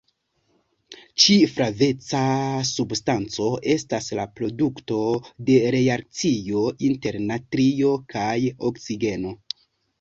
Ĉi-flaveca substanco estas la produkto de reakcio inter natrio kaj oksigeno.